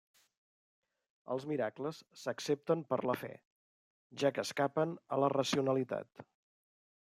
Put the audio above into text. Els miracles s'accepten per la fe, ja que escapen a la racionalitat.